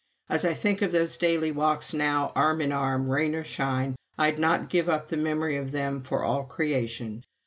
As I think of those daily walks now, arm in arm, rain or shine, I'd not give up the memory of them for all creation.